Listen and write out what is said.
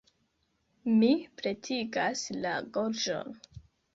Mi pretigas la gorĝon.